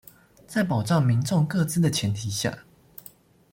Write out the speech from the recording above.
在保障民眾個資的前提下